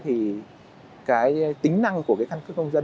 thì cái tính năng của cái căn cước công dân